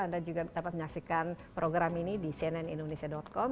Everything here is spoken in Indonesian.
anda juga dapat menyaksikan program ini di cnnindonesia com